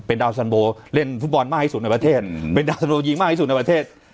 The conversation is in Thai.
ดาวสันโบเล่นฟุตบอลมากที่สุดในประเทศเป็นดาวสันโลยิงมากที่สุดในประเทศ